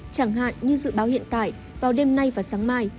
chẳng hạn như dự báo hiện tại vào đêm nay và sáng mai